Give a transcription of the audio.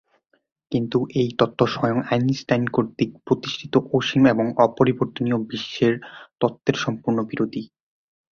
কিন্তু এই তত্ত্ব স্বয়ং আইনস্টাইন কর্তৃক প্রতিষ্ঠিত অসীম এবং অপরিবর্তনীয় বিশ্বের তত্ত্বের সম্পূর্ণ বিরোধী।